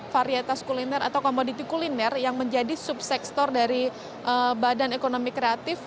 varietas kuliner atau komoditi kuliner yang menjadi subsektor dari badan ekonomi kreatif